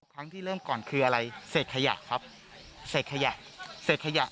ครั้งที่เริ่มก่อนคืออะไรเสร็จขยะครับเสร็จขยะเสร็จขยะ